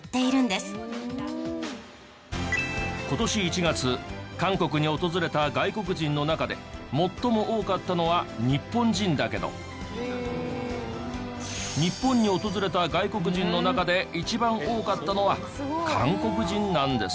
今年１月韓国に訪れた外国人の中で最も多かったのは日本人だけど日本に訪れた外国人の中で一番多かったのは韓国人なんです。